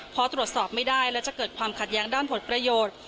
พอตรวจสอบไม่ได้และจะเกิดความขัดแย้งด้านผลประโยชน์